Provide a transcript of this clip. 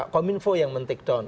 kominfo yang men tickdown